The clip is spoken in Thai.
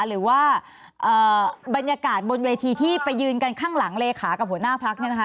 หรือว่าบรรยากาศบนเวทีที่ไปยืนกันข้างหลังเลขากับหัวหน้าพักเนี่ยนะคะ